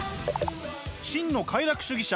真の快楽主義者